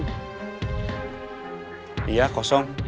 ya sel deeply berarti kitadidik